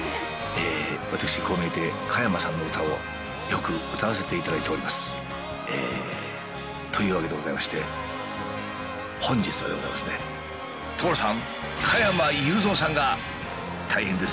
私こう見えて加山さんの歌をよく歌わせていただいております。というわけでございまして本日はでございますね所さん！